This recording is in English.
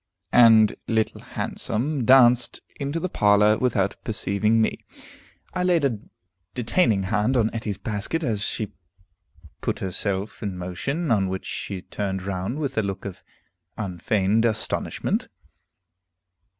And Little Handsome danced into the parlor, without perceiving me. I laid a detaining hand on Etty's basket as she put herself in motion, on which she turned round with a look of unfeigned astonishment.